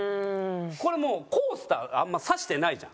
これもうコースターあんま指してないじゃん。